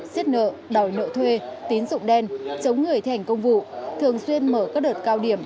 xiết nợ đòi nợ thuê tín dụng đen chống người thi hành công vụ thường xuyên mở các đợt cao điểm